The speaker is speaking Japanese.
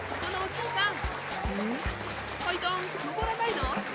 かいだんのぼらないの？